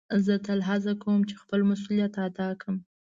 زه تل هڅه کؤم چي خپل مسؤلیت ادا کړم.